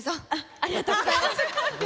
ありがとうございます。